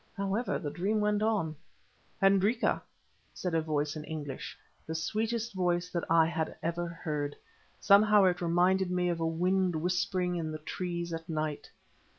However, the dream went on. "Hendrika," said a voice in English, the sweetest voice that I had ever heard; somehow it reminded me of wind whispering in the trees at night.